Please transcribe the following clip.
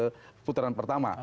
jadi itu adalah kesimpulan pertama